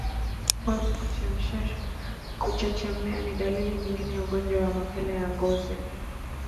Ngombe kuchechemea ni dalili nyingine ya ugonjwa wa mapele ya ngozi